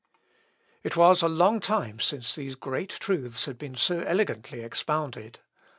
] It was a long time since these great truths had been so elegantly expounded.